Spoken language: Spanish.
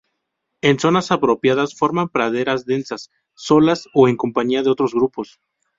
En zonas apropiadas forman praderas densas solas o en compañía de otros grupos.